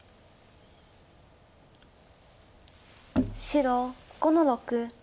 白５の六。